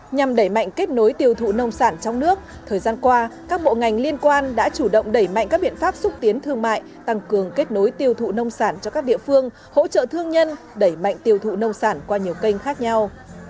nhằm đẩy mạnh kết nối tiêu thụ nông sản trong nước thời gian qua các bộ ngành liên quan đã chủ động đẩy mạnh các biện pháp xúc tiến thương mại tăng cường kết nối tiêu thụ nông sản cho các địa phương hỗ trợ thương nhân đẩy mạnh tiêu thụ nông sản qua nhiều kênh khác nhau